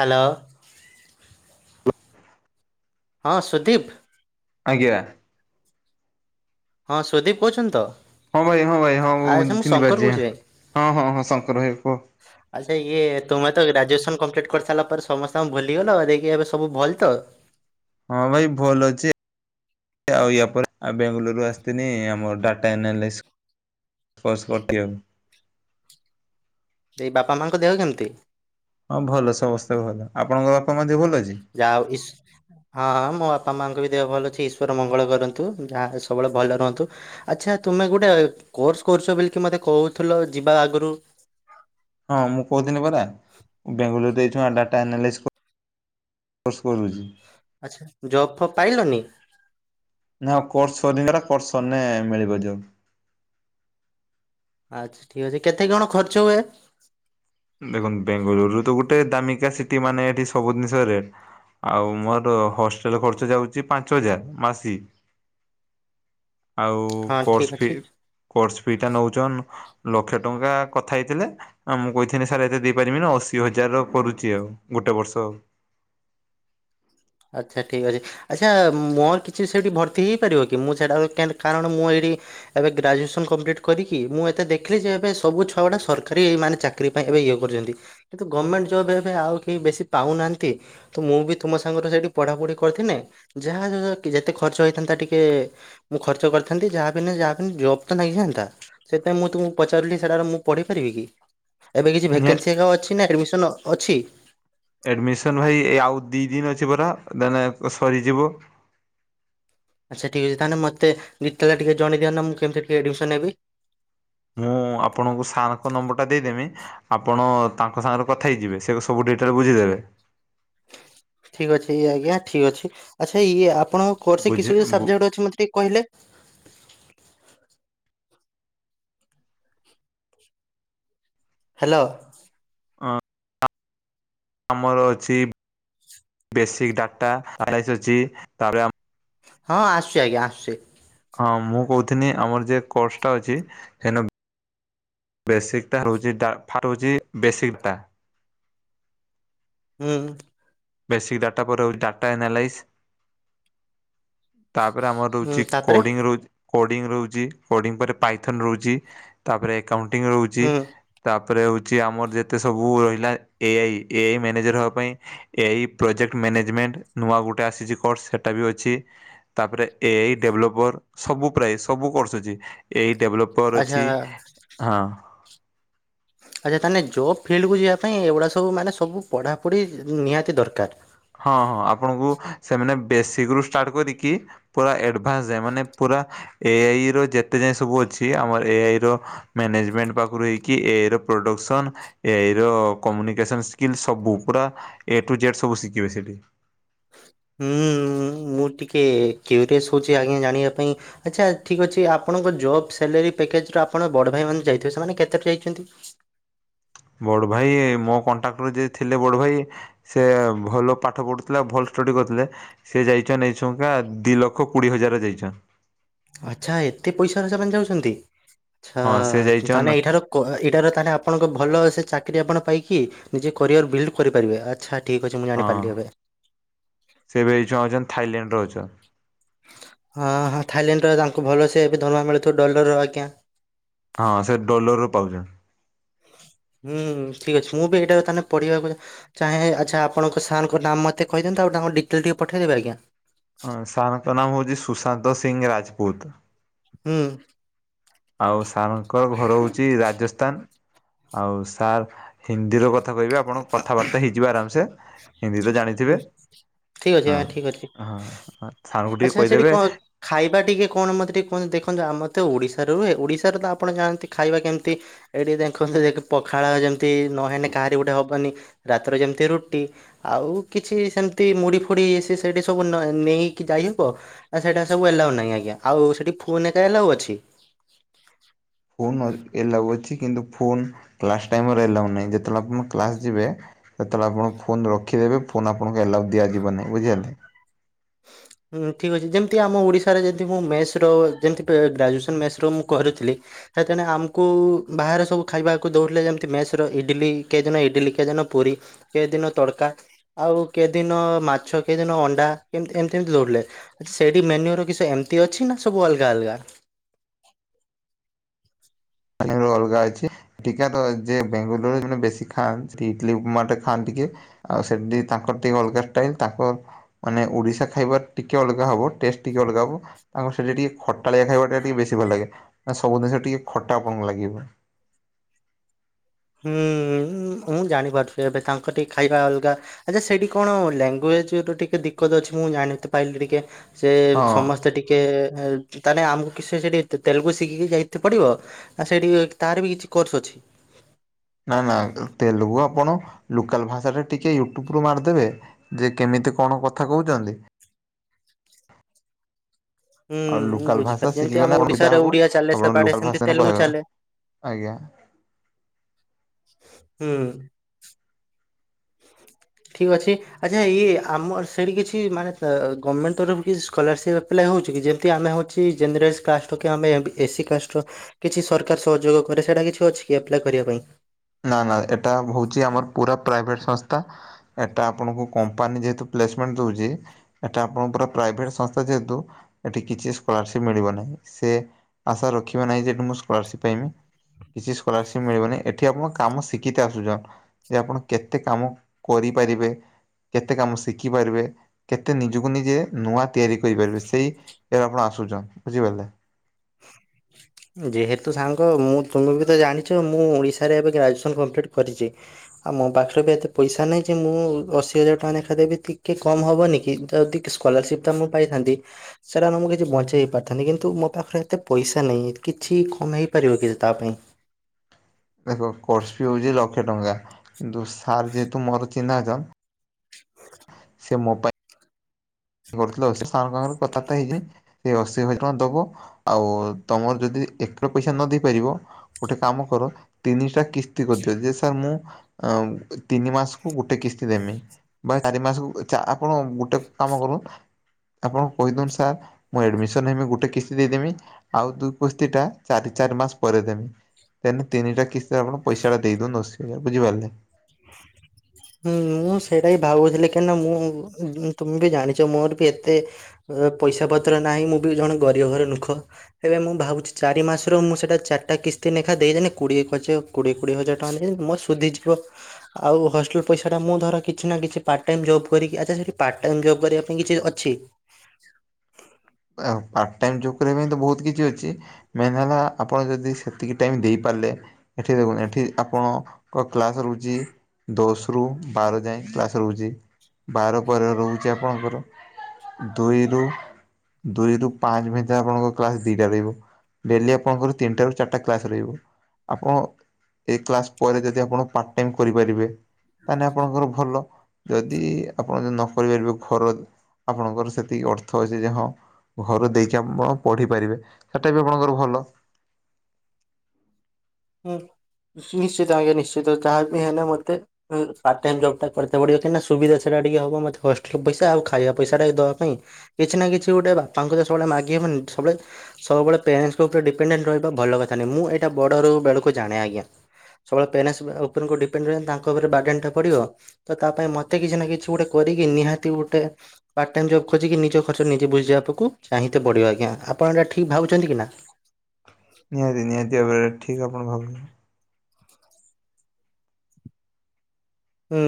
Hello. ହଁ ସୁଦୀପ୍। ଆଜ୍ଞା। ହଁ ସୁଦୀପ କହୁଛନ୍ତି ତ? ହଁ ଭାଇ ହଁ ଭାଇ ହଁ ମୁଁ ଆଚ୍ଛା ଶଙ୍କର ଚିହ୍ନିପାରିଛି କହୁଛି ଭାଇ ହଁ ହଁ ହଁ ଶଙ୍କର ଭାଇ କୁହ। ଆଚ୍ଛା ଇଏ ତୁମେ ତ ଗ୍ରାଜୁଏସନ କମ୍ପ୍ଲିଟ୍ କରିସାରିଲା ପରେ ସମସ୍ତଙ୍କୁ ଭୁଲିଗଲ ଦେଇକି ଏବେ ସବୁ ଭଲ ତ? ହଁ ଭାଇ ଭଲ ଅଛି ଆଉ ୟା ପରେ ଆଉ ବେଙ୍ଗାଲୋରରୁ ଆସିଥିନି ଆମ ଡାଟା ଆନାଲାଇସ୍ ସ୍ପୋର୍ ଫିୟର। ଦେଇ ବାପା ମାଙ୍କ ଦେହ କେମିତି? ହଁ ଭଲ ସମସ୍ତେ ଭଲ ଆପଣଙ୍କ ବାପା ମାଆ ଦେହ ଭଲ ଅଛି? ଯାହା ହଉ ଇସ୍ ହଁ ମୋ ବାପା ମାଆଙ୍କ ବି ଦେହ ଭଲ ଅଛି ଈଶ୍ୱର ମଙ୍ଗଳ କରନ୍ତୁ ଯାହା ସବୁବେଳେ ଭଲ ରୁହନ୍ତୁ। ଆଚ୍ଛା ତୁମେ ଗୋଟେ କୋର୍ସ କରୁଛ ବୋଲି କି ମତେ କହୁଥିଲ ଯିବା ଆଗରୁ? ହଁ ମୁଁ କହୁଥିଲି ପରା ବେଙ୍ଗାଲୁରୁରେ ଡାଟାନେଲା କୋର୍ସ କରୁଛି। ଆଚ୍ଛା ଜବ୍ ଫବ୍ ପାଇଲନି? ନାଉ କୋର୍ସ ସରିନି ପା କୋର୍ସ ସରିଲେ ମିଳିବ ଯୋଉ ଆଚ୍ଛା ଠିକ୍ ଅଛି କେତେ କଣ ଖର୍ଚ୍ଚ ହୁଏ? ଦେଖନ୍ତୁ ବେଙ୍ଗାଲୁରରୁ ତ ଗୋଟେ ଦାମିକା ସିଟି ମାନେ ଏଠି ସବୁ ଜିନିଷ ରେଟ୍। ଆଉ ମୋର ହଷ୍ଟେଲ ଖର୍ଚ୍ଚ ଯାଉଛି ପାଞ୍ଚ ହଜାର ମାସି। ଆଉ ହଁ ଠିକ୍ କୋର୍ସ ଅଛି ଫି କୋର୍ସ ଫି ଟା ନଉଛନ୍ ଲକ୍ଷେ ଟଙ୍କା କଥା ହେଇଥିଲେ ମୁଁ କହିଥି ନି ସାର ଏତେ ଦେଇପାରିବି ନା ଅଶୀ ହଜାର ର କରୁଛି ଆଉ ଗୋଟେ ବର୍ଷ ଆଉ। ଆଚ୍ଛା ଠିକ୍ ଅଛି। ଆଚ୍ଛା ମୋର କିଛି ସେଇଠି ଭର୍ତି ହେଇପାରିବ କି ମୁଁ ସେଟା କାରଣ ମୁଁ ଏଇଠି ଏବେ ଗ୍ରାଜୁଏସନ କମ୍ପ୍ଲିଟ୍ କରିକି ମୁଁ ଏତେ ଦେଖିଲି ଯେ ଏବେ ସବୁ ଛୁଆଅଡା ସରକାରୀ ମାନେ ଚାକିରି ଚାକିରି ପାଇଁ ଏବେ ଇଏ କରୁଛନ୍ତି କିନ୍ତୁ ଗଭର୍ଣମେଣ୍ଟ ଜବ୍ ଏବେ ଆଉ କେହି ବେଶୀ ପାଉନାହାନ୍ତି ତ ମୁଁ ବି ତୁମ ସାଙ୍ଗର ସେଠି ପଢାପଢି କରିଥିନେ ଯାହା ଯେତେ ଖର୍ଚ୍ଚ ହେଇଥାନ୍ତା ଟିକେ ମୁଁ ଖର୍ଚ୍ଚ କରିଥାନ୍ତି ଯାହା ବି ଯାହାବି ଜବ୍ ତ ନେଇଯାଆନ୍ତା? ସେଥିପାଇଁ ତୁମକୁ ପଚାରିଲି ସେଟାରେ ମୁଁ ପଢ଼ିପାରିବି କି? ଏବେ କିଛି ନିହା ଭ୍ୟାକେନ୍ସି ଅଛି ନା ଆଡମିସନ ଅଛି? ଆଡମିସନ ଭାଇ ଆଉ ଦି ଦିନ ଅଛି ପରା ଦେନ ସରିଯିବ। ଆଚ୍ଛା ଠିକ ଅଛି ତାହେଲେ ମତେ [unintelligible] ଟିକେ ଜଣ ଦିଅ ନା ମୁଁ କେମତି ଟିକେ ଆଡ଼ମିନ୍ ହେବି? ମୁଁ ଆପଣଙ୍କୁ ସାରଙ୍କ ନମ୍ବର ଟା ଦେଇଦେମି। ଆପଣ ତାଙ୍କ ସାଙ୍ଗରେ କଥା ହେଇଯିବେ ସେ ସବୁ ଡିଟେଲ ବୁଝିଦେବେ। ଠିକ୍ ଅଛି ଆଜ୍ଞା ଠିକ ଅଛି ଆଚ୍ଛା ଇଏ ଆପଣଙ୍କ କୋର୍ ବୁଝି କିଛି ବୁ ସଜେକ୍ଟ ଅଛି ମତେ ଟିକେ କହିଲେ? ହାଲୋ। ହଁ। ଆମର ଅଛି ବେସିକ୍ ଡାଟା [unintelligible] ତାପରେ ଆ ହଁ ଆସୁଛି, ଆଜ୍ଞା ଆସୁଛି। ହଁ ମୁଁ କହୁଥିଲି ଆମର ଯେ କୋସଟ ଅଛି ସେ ବେଶିକ ଟା ରହୁଛି [inaudible] ବେସିକ ଟା। ହୁଁ, ବେସିକ୍ ଡାଟା ପରେ ରହୁଚି ଡାଟା ଏନାଲାଇସ୍। ତାପରେ ଆମର ହୁଁ ରହୁଛି ତାପରେ କୋଡିଂ ରହୁଚି କୋଡିଂ ରହୁଚି, କୋଡିଂ ପରେ ପାଇଥନ ରହୁଛି, ତାପରେ ଏକାଉଣ୍ଟିଂ ରହୁଚି। ହୁଁ ତାପରେ ହଉଚି ଆମର ଯେତେ ସବୁ ରହିଲା A I A I manager ହବା ପାଇଁ ଏ ଇ ପ୍ରୋଜେକ୍ଟ ମ୍ୟାନେଜମେଣ୍ଟ ନୂଆ ଗୋଟେ ଆସିଚି କୋର୍ସ ସେଟା ବି ଅଛି। ତାପରେ ଏ ଆଇ ଡେଭଲପର ସବୁ ପ୍ରାୟ ସବୁ କୋର୍ସ ଅଛି। ଏ ଇ ଡେଭଲପର ଆଚ୍ଛା ଅଛି। ହଁ, ଆଚ୍ଛା ତାହେଲେ ଜବ୍ ଫିଲ୍ଡକୁ ଯିବା ପାଇଁ ଏଗୁଡ଼ା ସବୁ ମାନେ ସବୁ ପଢ଼ାପଢ଼ି ନିହାତି ଦରକାର। ହଁ ହଁ ଆପଣଙ୍କୁ ସେମାନେ ବେଶକି ରୁ ଷ୍ଟାର୍ଟ କରିକି ପୁରା ଏଡଭାନ୍ସ ଯାଏ ମାନେ ପୁରା ଏ ଆଇ ର ଯେତେ ଯାଏଁ ସବୁ ଅଛି, ଆମର ଏ ଆଇ ର ମ୍ୟାନେଜମେଣ୍ଟ ପାଖରୁ ହେଇକି ଏ ଆଇ ର ପ୍ରଡକ୍ସନ ଏ ଆଇ ର କମୁନିକସନ ସ୍କିଲ ସବୁ ପୁରା ଏ ଟୁ ଜେଡ୍ ସବୁ ଶିଖିବେ ସେଠି। ହୁଁ-ଉ-ଉ ମୁଁ ଟିକେ କିଉରିଅସ୍ ହଉଛି ଆଜ୍ଞା ଜାଣିବା ପାଇଁ ଆଚ୍ଛା ଠିକ୍ ଅଛି ଆପଣଙ୍କ ଜବ୍ ସାଲାରୀ ପ୍ୟାକେଜ ର ଆପଣ ବଡ ଭାଇ ମାନ ଯାଇଥିବେ ସେମାନେ କେତେଟ ଯାଇଛନ୍ତି? ବଡ ଭାଇ ମୋ କଣ୍ଟାକ୍ଟର ଯିଏ ଥିଲେ ବଡ ଭାଇ ସେ ଭଲ ପାଠ ପଢ଼ୁଥିଲା, ଭଲ ଷ୍ଟଡ଼ି କରଥିଲେ। ସେ ଯାଇଛନ୍ ଏଇଛୁଙ୍କା ଦି ଲକ୍ଷ କୋଡିଏ ହଜାରରେ ଯାଇଛନ୍। ଆଚ୍ଛା ଏତେ ପଇସାର ସେମାନେ ଯାଉଛନ୍ତି ହଁ ସେ ଆଛା ଯାଇଛନ୍ ତାହେଲେ ଏଇଠାର କହା ଏଇଟାର ତା ଆହେଲେ ଆପଣଙ୍କ ଭଲ ସେ ଚାକିରି ଆପଣ ପାଇକି ନିଜେ କୋରିଅର ବିଲ୍ଡ କରିପାରିବେ। ଆଚ୍ଛା, ଠିକ ଅଛି ମୁଁ ଜାଣି ହଁ ପାରିଲି ଏବେ। ସେ ଏବେ [unintelligible] ଥାଇଲାଣ୍ଡ ର ଅଛ। ହଁ ହଁ ଥାଇଲାଣ୍ଡର ତାଙ୍କୁ ଭଲ ସେ ଏବେ ଦରମା ମିଳୁଥିବ ଡଲର ହେରିକା। ହଁ ହଁ ସେ ଡୋଲରରୁୁ ପାଉଛନ୍ ହୁଁ ଠିକ୍ ଅଛି ମୁଁ ବି ହେଇଟା ବର୍ତମାନ ପଢିବା କୁ ଚାହେ ଆଚ୍ଛା ଆପଣଙ୍କ ସାର୍ ଙ୍କ ନାଁ ମତେ କହିଦିଅନ୍ତୁ। ଆଉ ତାଙ୍କୁ ଡିଟେଲ୍ ଟିକେ ପଠେଇଦେବେ ଆଜ୍ଞା। ହଁ ସାରଙ୍କ ନାମ ହଉଚି ସୁଶାନ୍ତ ସିଂହ ରାଜପୁତ। ହୁଁ। ଆଉ ସାର୍ ଙ୍କ ଘର ହଉଚି ରାଜସ୍ଥାନ। ଆଉ ସାର୍ ହିନ୍ଦୀ ର କଥା କହିବେ ଆପଣ କଥାବାର୍ତ୍ତା ହେଇଯିବେ ଆରାମସେ। ହିନ୍ଦୀ ତ ହୁଁ, ଜାଣିଥିବେ ଠିକ୍ ଅଛି ହଁ ଆଜ୍ଞା ଠିକ୍ ଅଛି। ହଁ ହଁ ସାର୍ ଙ୍କୁ ଟିକେ ଆଚ୍ଛା ସେଠି କହିଦେବେ କଣ ଖାଇବା ଟିକେ କଣ ମୋତେ ଟିକେ କୁହନ୍ତୁ, ଦେଖନ୍ତୁ ଆମର ତ ଓଡ଼ିଶାରେ ରୁହେ ଓଡ଼ିଶାରେ ତ ଆପଣ ଜାଣନ୍ତି ଖାଇବା କେମିତି ଏଇଠି ଦେଖନ୍ତୁ ଦେଖି ପଖାଳ ଯେମିତି ନହେଲେ କାହାରି ଗୋଟେ ହବନି ରାତିରେ ଯେମିତି ରୁଟି ଆଉ କିଛି ସେମିତି ମୁଡି ଫୁଡି ସେ ସେଇଠି ସବୁ ନେଇକି ଯାଇହବ? ନା ସେଇଟା ସବୁ ଏଲାଉ ନାହିଁ ଆଜ୍ଞା। ଆଉ ସେଠି ଫୁନ୍ ଏକା ଏଲାଉ ଅଛି? ଫୋନ ଏ ଏଲାଉ ଅଛି କିନ୍ତୁ ଫୋନ୍ କ୍ଲାସ୍ ଟାଇମରେ ଏଲାଉ ନାହିଁ ଯେତେବେଳେ ଆପଣ କ୍ଲାସ୍ ଯିବେ ଯେତେବେଳେ ଆପଣ ଫୋନ୍ ରଖିଦେବେ ଫୋନ୍ ଆପଣଙ୍କୁ ଏଲାଉ ଦିଆଯିବ ନାହିଁ ବୁଝିଗଲେ। ହଁ ଠିକ୍ ଅଛି ଯେମିତି ଆମ ଓଡ଼ିଶାରେ ଯେମିତି ମୁଁ ମେସ୍ ର ଯେମିତି ପେ ଗ୍ରାଜୁଏସନ୍ ମେସ୍ ର ମୁଁ କରୁଥିଲି। ସେଥେନେ ଆମକୁ ବାହାରେ ସବୁ ଖାଇବାକୁ ଦଉଥିଲେ ଯେମିତି ମେସ୍ ର ଇଡିଲି କେଦିନ ଇଡିଲି, କେଦିନ ପୁରି କେଦିନ ତଡକା, ଆଉ କେଦିନ ମାଛ, କେଦିନ ଅଣ୍ଡା, କେମତି ଏମିତି କେମିତି ଦୌଡ଼ିଲେ, ସେଇଠି ମେନ୍ୟୁ ର କିଛି ଏମିତି ଅଛି ନା ସବୁ ଅଲଗା ଅଲଗା? ଆଜ୍ଞା ରୋ ଅଲଗା ଅଛି। ଟିକେ ତ ଯେ ବେଙ୍ଗଲୋରୁରେ ମାନେ ବେଶି ଖାଆନ୍ତି ଇଟଲି, ଉପମାଟା ଖାଆନ୍ତି କିଏ, ଆଉ ସେଠି ତାଙ୍କର ଟିକେ ଅଲଗା ଷ୍ଟାଇଲ ତାଙ୍କ ମାନେ ଓଡ଼ିଶା ଖାଇବା ଟିକେ ଅଲଗା ହବ ଟେଷ୍ଟ ଟିକେ ଅଲଗା ହବ। ତାଙ୍କର ସେଠି ଟିକେ ଖଟାଳିଆ ଖାଇବା ଟିକେ ବେଶୀ ଭଲ ଲାଗେ ମାନେ ସବୁ ଜିନଷ ଟିକେ ଖଟା ଆପଣଙ୍କୁ ଲାଗିବ। ହୁଁ ମୁଁ ଜାଣିପାରୁଛି ଏବେ ତାଙ୍କ ଟିକେ ଖାଇବା ଅଲଗା। ଆଚ୍ଛା ସେଇଠି କଣ ଲାଙ୍ଗୁଏଜ୍ ର ଟିକେ ଦିକତ୍ ଅଛି ମୁଁ ଜାଣି ପାଇଲି ଟିକେ। ସେ ହଁ ସମସ୍ତେ ଟିକେ ମାନେ ଆମକୁ କିଛି ସେଠି ତେଲୁଗୁ ଶିଖିକି ଯାଇତେ ପଡ଼ିବ? ଆ ସେଇଠି ତାର ବି କିଛି କୋର୍ସ ଅଛି। ନା ନା ତେଲୁଗୁ ଆପଣ ଲୋକାଲ୍ ଭାଷାଟା ଟିକେ ୟୁଟ୍ୟୁବୁରୁ ମାରିଦେବେ। ଯେ କେମିତି କଣ କଥା କହୁଛନ୍ତି। ହୁଁ ଆଉ ମୁଁ ଲୋକାଲ୍ ଭାଷା ବୁଝିପାରୁଛି ଯେମିତି ଆମ ଶିଖିଗଲେ [unintelligible] ସୁବିଧା ଓଡିଶାରେ ହବ ଓଡିଆ ଚାଲେ ଆପଣଙ୍କ ସେବାଡେ ଲୋକାଲ ସେମିତି ଭାଷାର ତେଲୁଗୁ [unintelligible] ଚାଲେ ଆଜ୍ଞା। ହୁଁ। ଠିକ୍ ଅଛି। ଆଚ୍ଛା ଇଏ ଆମର ସେଇଠି କିଛି ମାନେ ଅ ଗର୍ମେଣ୍ଟ ତରଫରୁ କିଛି ସ୍କୋଲାରସିପ୍ ଆପ୍ଲାଏ ହଉଛି କି ଯେମିତି ଆମେ ହଉ ଛି ଜେନେରାଲ କାଷ୍ଟ ହଉକି ଆମେ ଏସି କାଷ୍ଟର କିଛି ସରକାର ସହଯୋଗ କରେ ସେଇଟା କିଛି ଅଛି କି ଆପ୍ଲାଏ କରିବା ପାଇଁ? ନା ନା ଏଟା ହଉଚି ଆମର ପୁରା ପ୍ରାଇଭେଟ ସଂସ୍ଥା ଏଟା ଆପଣଙ୍କୁ କମ୍ପାନୀ ଯେହେତୁ ପ୍ଲେସମେଣ୍ଟ୍ ଦଉଚି। ଏଟା ଆପଣଙ୍କ ପୁରା ପ୍ରାଇଭେଟ୍ ସଂସ୍ଥା ଯେହେତୁ ଏଠି କିଛି ସ୍କୋଲାରସିପ୍ ମିଳିବ ନାହିଁ ସେ ଆଶା ରଖିବ ନାହିଁ ଯେ ଏଠି ମୁଁ ସ୍କୋଲାରସିପ୍ ପାଇବି କିଛି ସ୍କୋଲାରସିପ୍ ମିଳିବ ନାହିଁ ଏଠି ଆପଣ କାମ ଶିଖିକି ଆସୁଚ ଯେ ଆପଣ କେତେ କାମ କରିପାରିବେ। କେତେ କାମ ଶିଖିପାରିବେ? କେତେ ନିଜକୁ ନିଜେ ନୂଆ ତିଆରି କରିପାରିବେ ସେଇ ଇଏ‌ ରେ ଆପଣ ଆସୁଛ ବୁଝିପାରିଲେ। ଯେହେତୁ ସାଙ୍ଗ ମୁଁ ତୁମେ ବି ତ ଜାଣିଛ ମୁଁ ଓଡ଼ିଶାରେ ଏବେ ଗ୍ରାଜୁଏସନ୍ କମ୍ପ୍ଲିଟ୍ କରିଚି। ଆଉ ମୋ ପାଖରେ ବି ଏତେ ପଇସା ନାହିଁ ଯେ ମୁଁ ଅଶି ହଜାର ଟଙ୍କା ଲେଖାଏଁ ଦେବି ଟିକେ କମ୍ ହେବନି କି ଯଦି ସ୍କୋଲାରସିପ୍ ତ ମୁଁ ପାଇଥାନ୍ତି ସେଇଟା ମୁଁ କିଛି ବଞ୍ଚେଇ ପାରିଥାନ୍ତି କିନ୍ତୁ ମୋ ପାଖରେ ଏତେ ପଇସା ନାହିଁ। କିଛି କମେଇ ପାରିବ କି ତା ପାଇଁ? ଦେଖ କ୍ରୋସ୍ ଫି ହଉଛି ଲକ୍ଷେ ଟଙ୍କା କିନ୍ତୁ ସାରେ ଯେହେତୁ ମୋର ଚିହ୍ନା ଜ [unintelligible] ସେ ମୋବା କରୁଥିଲ ସେ ସାର୍ ଙ୍କ ସାଙ୍ଗରେ କଥା ବାର୍ତ୍ତା ହେଇକି। ସେ ଅଶି ହଜାର ଟଙ୍କା ଦବ ଆଉ ତମର ଯଦି [unintelligible] ପଇସା ନ ଦେଇପାରିବ ଗୋଟେ କାମ କର ତିନିଟା କିସ୍ତି କରିଦିଅ ଯେ ସାର୍ ମୁଁ ଅ ତିନି ମାସକୁ ଗୋଟେ କିସ୍ତି ଦେମି। ବା ଚାରି ମାସକୁ ଆପଣ ଗୋଟେ କାମ କ [unintelligible] ଆପଣଙ୍କୁ କହିଦିଅନ୍ତୁ ସାର୍ ମୁଁ ଆଡ଼ମିଶନ ହେମି ଗୋଟେ କିସ୍ତି ଦେଇଦେମି। ଆଉ ଦୁଇ କୁସ୍ତି ଟା ଚାରି ଚାରି ମାସ ପରେ ଦେମି। [unintelligible] ତିନିଟା କିସ୍ତି ର ଆପଣ ପଇସା ଟା ଦେଇଦିଉନ୍ତୁ ଅଶି ହଜାର ବୁଝିପାରିଲେ। ହ ହୁଁ ହୁଁ ମୁଁ ସେଇଟା ହି ଭାବୁଥିଲି କାହିଁକି ନା ମୁଁ ତୁମେ ବି ଜାଣିଛ ମୋର ବି ଏତେ [unintelligible] ପଇସା ପତ୍ର ନାହିଁ ମୁଁ ବି ଜଣେ ଗରିବ ଘର ଲୁକ। ଏବେ ମୁଁ ଭାବୁଛି ଚାରି ମାସରୁ ମୁଁ ସେଇଟା ଚାରିଟା କିସ୍ତି ଲେଖା ଦେଇଦେନେ କୋଡ଼ିଏ କୋଡ଼ିଏ କୋଡ଼ିଏ ହଜାର ଟଙ୍କା ନେଇଗଲେ ମୋର ସୁଜିଯିବ। ଆଉ ହଷ୍ଟେଲ୍ ପଇସା ଟା ମୁଁ ଧର କିଛି ନା କିଛି ପାଟ୍ ଟାଇମ୍ ଜବ୍ କରିକି ଆଚ୍ଛା ସେଠି ପାଟ୍ ଟାଇମ୍‌ ଜବ୍ କରିବା ପାଇଁ କିଛି ଅଛି? ଆ ପାର୍ଟ ଟାଇମ୍ ଜବ୍ କରିବା ପାଇଁ ତ ବହୁତ୍ କିଛି ଅଛି। ମେନ୍ ହେଲା ଆପଣ ଯଦି ସେତିକି ଟାଇମ୍ ଦେଇପାରିଲେ। ଏଠି ଦେଖନ୍ତୁ ଏଠି ଆପଣଙ୍କ ର କ୍ଲାସ୍ ରହୁଛି। ଦଶରୁ ବାର ଯାଏ କ୍ଲାସ୍ ରହୁଛି ବାର ପରେ ରହୁଛି ଆପଣଙ୍କର ଦୁଇ ରୁ ଦୁଇ ରୁ ପାଞ୍ଚେ ଭିତରେ ଆପଣଙ୍କ କ୍ଲାସ୍ ଦିଟା ରହିବ। ଡେଲି ଆପଣଙ୍କର ତିନିଟା ରୁ ଚାରିଟା କ୍ଲାସ୍ ରହିବ ଆପଣ ଏ କ୍ଲାସ ପରେ ଯଦି ଆପଣ ପାର୍ଟ ଟାଇମ୍ କରିପାରିବେ। ତାହେଲେ ଆପଣଙ୍କର ଭଲ ଯଦି ଆପଣ ଯଦି ନ କରିପାରିବେ ଘର ଆପଣଙ୍କର ସେତିକି ଅର୍ଥ ଅଛି ଯେ ହଁ। ଘର ଦେଇକି ଆମ ପଢିପାରିବେ ସେଟା ବି ଆପଣଙ୍କର ଭଲ। ହୁଁ ନିଶ୍ଚିତ ଆଜ୍ଞା ନିଶ୍ଚିତ ଯାହା ବି ହେଲେ ମତେ। ପାଟ୍ ଟାଇମ୍ ଜବ୍ ଟା କରିତେ ପଡିବ କି ନା ସୁବିଧା ସେଟା ଟିକେ ହବ ମତେ ହଷ୍ଟେଲ ପଇସ ଆଉ ଖାଇବା ପଇସା ଟା ଦେବା ପାଇଁ। କିଛି ନା କିଛି ଗୋଟେ ବାପାଙ୍କୁ ତ ସବୁବେଳେ ମାଗିହବନି ସବୁବେଳେ। ସବୁବେଳେ ପ୍ୟାରେଣ୍ଟସ୍ଙ୍ ଉପରେ ଡିପେଣ୍ଡାଣ୍ଟ ରହିବା ଭଲ କଥା ନାହିଁ ମୁଁ ଏଇଟା ବଡ଼ରୁ ବେଳକୁ ଜାଣେ ଆଜ୍ଞା। ସବୁବେଳେ ପ୍ୟାରେସ୍ ଉପରକୁ ଡିପେଣ୍ଡେଡ ହେଲେ ତାଙ୍କ ଉପରେ ବାଗାନ୍ ଟା ପଡ଼ିବ। ତ ତା ପାଇଁ ମତେ କିଛି ନା କିଛି ଗୋଟେ କରିକି ନିହାତି ଗୋଟେ। ପାର୍ଟ ଟାଇମ୍ ଜବ୍ ଖୋଜିକ ନିଜ ଖର୍ଚ ନିଜେ ବୁଝିିବାକୁ ଚାହିଁତେ ପଡ଼ିବ ଆଜ୍ଞା ଆପଣ ଏଇଟା ଠିକ୍ ଭାବୁଛନ୍ତି କି ନା। ନିହାତି ନିହାତି ଭାବରେ ଠିକ୍ ଆପଣ ଭାବୁଛନ୍ତି। ହୁଁ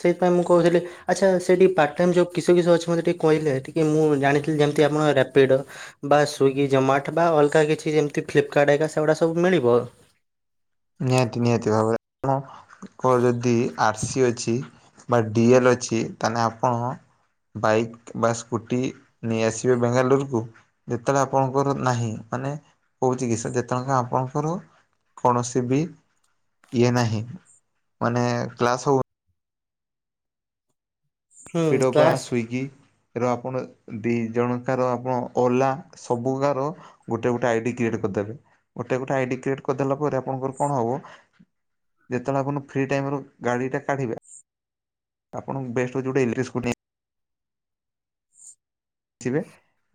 ସେଇଥିପାଇଁ ମୁଁ କହୁଥିଲି ଆଚ୍ଛା ସେଠି ପାର୍ଟ ଟାଇମ୍ ଯେଉଁ କିସ କିସ ଅଛି ମୋତେ ଟିକେ କହିଲେ ଟିକେ ମୁଁ ଜାଣିଥିଲି ଯେମିତି ଆପଣ ରାପିଡ଼ୋ ବା ସ୍ଵିଗି ଜେମାଟ ବା ଅଲଗା କିଛି ଯେମିତି ଫ୍ଲିପକାର୍ଟ ଘରିକା ସେଗୁଡା ସବୁ ମିଳିବ। ନିହାତି ନିହାତି ଭାବରେ ଆପଣ। ଙ୍କ ଯଦି ଆର୍ ସି ଅଛି ବା ଡି ଏଲ୍ ଅଛି ତାହେଲେ ଆପଣ। ବାଇକ୍ ବା ସ୍କୁଟି ନେଇ ଆସିବେ ବେଙ୍ଗାଲୁରୁକୁ। ଯେତେବେଳେ ଆପଣଙ୍କର ନାହିଁ ମାନେ କଉଛି କି ଯେତେବେଳେ ଆପଣଙ୍କର କୌଣସି ଫିର ଭି ଇଏ ନାହି ମାନେ କ୍ଳାସ୍ ହଉ। ହୁଁ ପିଡ଼ବା କ୍ଲାସ୍ ସ୍ଵିଗି ର ଆପଣ ଦି ଜଣଙ୍କ ଆପଣ ଓଲା ସବୁଗାର ଗୋଟେ ଗୋଟେ ଆଇଡି କ୍ରିଏଟ୍ କରିଦେବେ ଗୋଟେ ଗୋଟେ ଆଇଡି କ୍ରିଏଟ୍ କରିଦେଲା ପରେ ଆପଣଙ୍କର କଣ ହବ ଯେତେବେଳେ ଆପଣ ଫ୍ରି ଟାଇମ୍ ରୁ ଗାଡ଼ି ଟା କାଢିବେ ଆପଣଙ୍କୁ ବେଷ୍ଟ୍ ହୋଉଚି ଗୋଟେ ଇଲେକ୍ଟ୍ରି [unintelligible]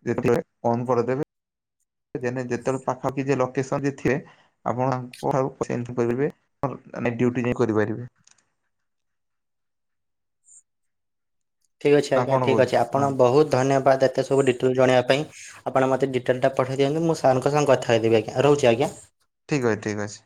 ଜିବେ ଅନ୍ କରିଦେବେ ଯେ ଯେତେବେଳେ ପାଖାଖି ଲୋକେସନ ଯେ ଥିବେ। ଆପଣଙ୍କାରେ ଡ୍ୟୁଟି ଯାଇ କରିପାରିବେ। ଠିକ୍ ଅଛି ନା ଆଜ୍ଞା କଣ ଠିକ୍ କହୁଛ ଅଛି ହଁ ଆପଣ ବହୁତ ଧନ୍ୟବାଦ ଏତେ ସବୁ ଡିଟେଲ୍ ଜଣିବା ପାଇଁ। ଆପଣ ମୋତ ଡିଟେଲ୍ ପଠେଇ ଦିଅନ୍ତୁ ମୁ ସଙ୍କ ସାଙ୍ଗ କଥା କହିଦବି ଆଜ୍ଞା ରହୁଛି ଆଜ୍ଞା। ଠିକ୍ ଠିକ୍ ଅଛି।